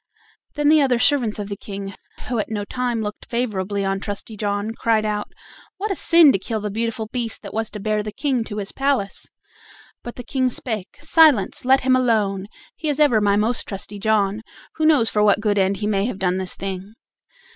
Then the other servants of the King, who at no time looked favorably on Trusty John, cried out: "What a sin to kill the beautiful beast that was to bear the King to his palace!" But the King spake: "Silence! let him alone; he is ever my most trusty John. Who knows for what good end he may have done this thing?"